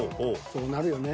そうなるよね。